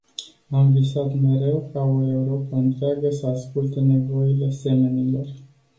Am visat mereu ca o Europă întreagă să asculte nevoile semenilor.